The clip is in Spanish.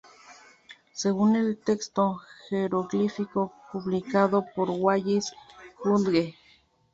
Según el texto jeroglífico publicado por Wallis Budge.